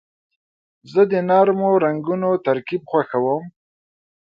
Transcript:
زه د نرمو رنګونو ترکیب خوښوم.